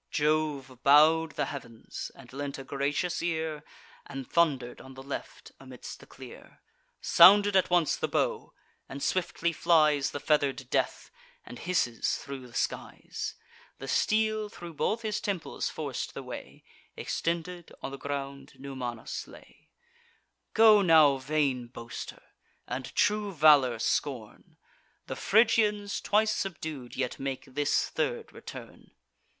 Jove bow'd the heav'ns, and lent a gracious ear, And thunder'd on the left, amidst the clear. Sounded at once the bow; and swiftly flies The feather'd death, and hisses thro' the skies. The steel thro' both his temples forc'd the way: Extended on the ground, Numanus lay. "Go now, vain boaster, and true valour scorn! The Phrygians, twice subdued, yet make this third return."